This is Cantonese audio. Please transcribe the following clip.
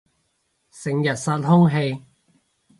成日殺空氣